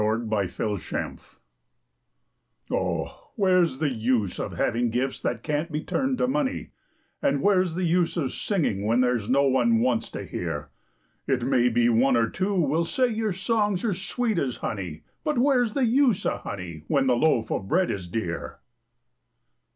WHERE'S THE USE Oh, where's the use of having gifts that can't be turned to money? And where's the use of singing, when there's no one wants to hear? It may be one or two will say your songs are sweet as honey, But where's the use of honey, when the loaf of bread is dear?